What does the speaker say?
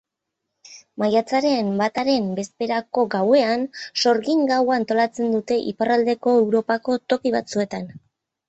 Maiatzaren bataren bezperako gauean sorgin gaua antolatzen dute Iparraldeko Europako toki batzuetan.